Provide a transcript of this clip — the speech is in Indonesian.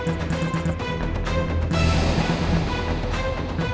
sampai ketemu dolphin season dua